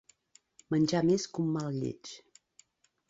Menjar més que un mal lleig.